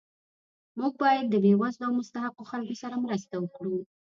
موږ باید د بې وزلو او مستحقو خلکو سره مرسته وکړو